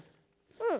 うん。